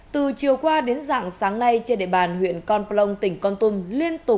từ chiều qua đến dạng sáng nay trên địa bàn huyện con plông tỉnh con tôn